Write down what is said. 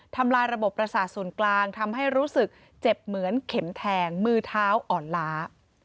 ทำลายระบบประสาทส่วนกลางทำให้รู้สึกเจ็บเหมือนเข็มแทงมือเท้าอ่อนล้า